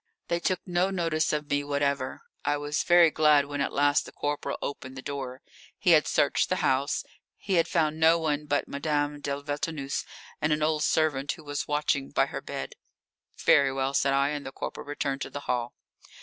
They took no notice of me whatever. I was very glad when at last the corporal opened the door. He had searched the house he had found no one but Madame de Villetaneuse and an old servant who was watching by her bed. "Very well," said I, and the corporal returned to the hall.